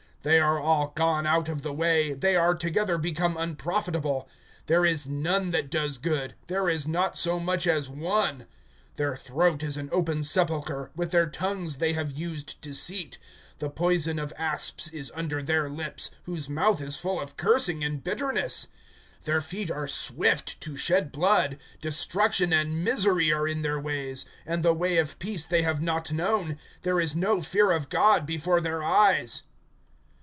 (12)They are all gone out of the way, they are together become unprofitable; there is none that does good, there is not so much as one. (13)Their throat is an open sepulchre; with their tongues they have used deceit; the poison of asps is under their lips; (14)whose mouth is full of cursing and bitterness. (15)Their feet are swift to shed blood. (16)Destruction and misery are in their ways; (17)and the way of peace they have not known. (18)There is no fear of God before their eyes.